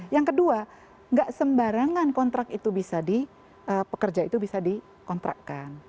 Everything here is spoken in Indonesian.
yang kedua nggak sembarangan kontrak itu bisa di pekerja itu bisa dikontrakkan